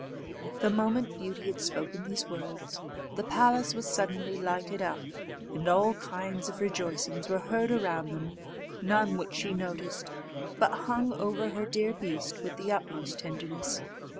The moment Beauty had spoken these words, the palace was suddenly lighted up, and all kinds of rejoicings were heard around them, none which she noticed, but hung over her dear beast with the utmost tenderness.